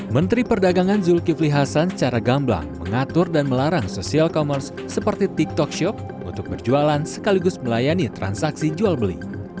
menteri perdagangan zulkifli hasan secara gamblang mengatur dan melarang sosial commerce seperti tiktok shop untuk berjualan sekaligus melayani transaksi jual beli